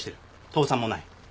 倒産もない。